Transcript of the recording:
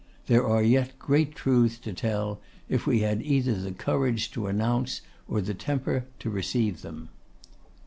There are yet great truths to tell, if we had either the courage to announce or the temper to receive them.